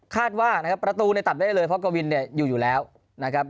คาดว่านะครับประตูเนี่ยตัดได้เลยเพราะกวินเนี่ยอยู่อยู่แล้วนะครับ